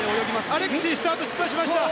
アレクシースタート失敗しました！